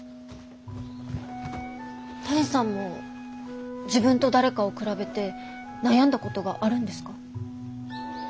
多江さんも自分と誰かを比べて悩んだことがあるんですか？